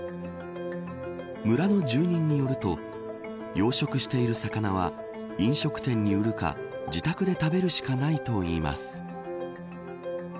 村の住人によると養殖している魚は飲食店に売るか自宅で食べるしかないといいます。